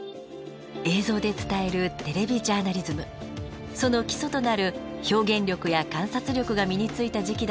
映像で伝えるテレビジャーナリズムその基礎となる「表現力」や「観察力」が身についた時期だったといいます。